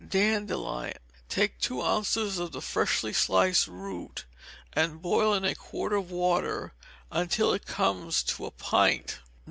Dandelion. Take two ounces of the freshly sliced root, and boil in a quart of water until it comes to a pint.